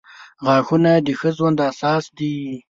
• غاښونه د ښه ژوند اساس دي.